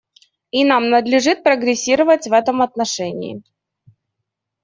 И нам надлежит прогрессировать в этом отношении.